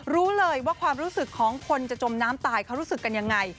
รู้เลยว่าความรู้สึกของคนจะจมน้ำตายเขารู้สึกกันยังไง